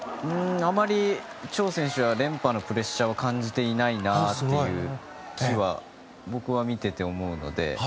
あまりチョウ選手は連覇のプレッシャーを感じていないなとは僕は見ていて思うので。